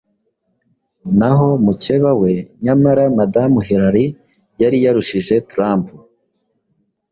naho mukeba we nyamara Madamu Hillary yari yarushije Turump